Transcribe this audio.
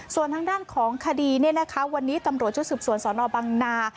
ส่วนทางด้านของคดีวันนี้ตำรวจชุดสืบสวนสนบังนา